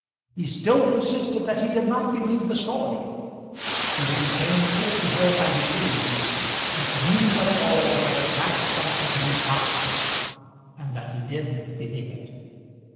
He still persisted that he did not believe the story, but it became clear to her, by degrees, that the meaning of it all had at last sunk into his mind, and that he did believe it.